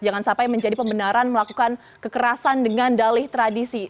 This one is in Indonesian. jangan sampai menjadi pembenaran melakukan kekerasan dengan dalih tradisi